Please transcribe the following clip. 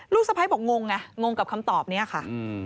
สะพ้ายบอกงงไงงงกับคำตอบนี้ค่ะ